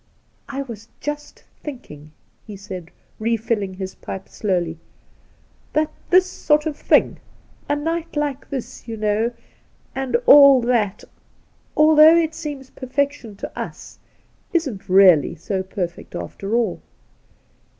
' I was just thinking,' he said, refilling his pipe slowly, ' that this sort of thing ^a night like this, you know, and aU that — although it seems perfec tion to us, isn't really so perfect after all.